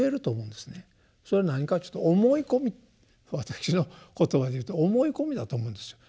それ何かというと私の言葉で言うと「思い込み」だと思うんですよ。